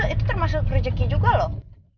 itu termasuk rezeki juga loh